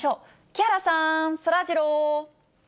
木原さん、そらジロー。